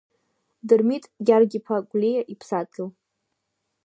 Дырмит Гьаргь-иԥа Гәлиа иԥсадгьыл…